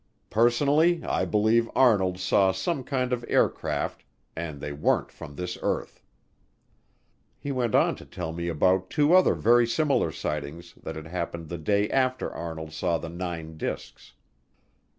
Personally, I believe Arnold saw some kind of aircraft and they weren't from this earth." He went on to tell me about two other very similar sightings that had happened the day after Arnold saw the nine disks.